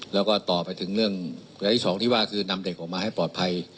แล้วก็ต่อไปถึงเรื่องระยะที่๒ที่ว่าคือนำเด็กออกมาให้ปลอดภัย